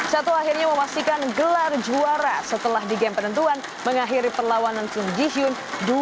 sato akhirnya memastikan gelar juara setelah di game penentuan mengakhiri perlawanan sung ji hyun dua puluh satu empat belas